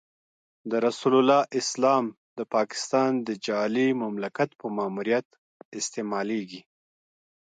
د رسول الله اسلام د پاکستان د جعلي مملکت په ماموریت استعمالېږي.